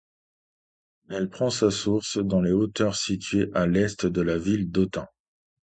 Elle prend sa source dans les hauteurs situées à l'est de la ville d'Autun.